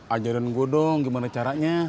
ajarin gue dong gimana caranya